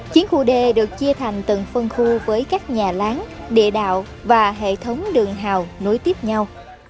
chiến khu d được chia thành từng phân khu với các nhà láng địa đạo và hệ thống đường hào nối tiếp nhau